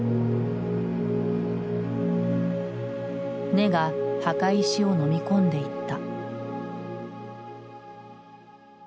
根が墓石をのみ込んでいった。